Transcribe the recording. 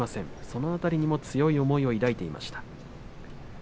その辺りの強い思いを抱いていました。